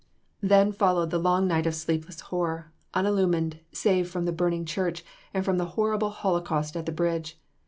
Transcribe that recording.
Then followed the long night of sleepless horror, unillumined, save from the burning church, and from the horrible holocaust at the bridge.